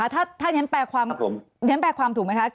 ถ้าเน้นแปลความถูกไหมครับ